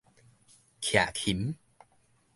徛琴